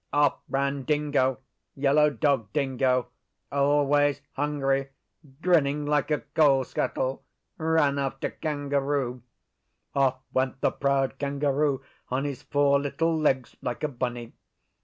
Off ran Dingo Yellow Dog Dingo always hungry, grinning like a coal scuttle, ran after Kangaroo. Off went the proud Kangaroo on his four little legs like a bunny.